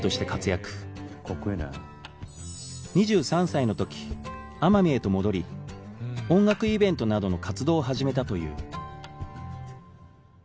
２３歳の時奄美へと戻り音楽イベントなどの活動を始めたという